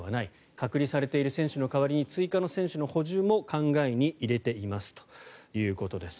隔離されている選手の代わりに追加の選手の補充も考えに入れていますということです。